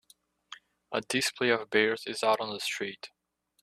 A display of bears is out on the street.